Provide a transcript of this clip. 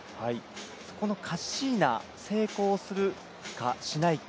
カッシーナ、成功するかしないか